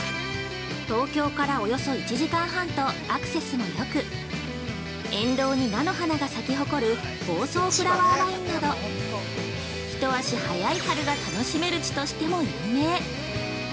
東京からおよそ１時間半とアクセスもよく、沿道に菜の花が咲き誇る房総フラワーラインなど、一足早い春が楽しめる地としても有名！